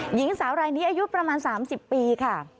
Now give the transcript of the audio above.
หญิงสาวรายนี้อายุประมาณ๓๐ปีค่ะ